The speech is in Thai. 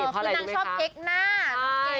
พี่นางชอบเก๊กหน้า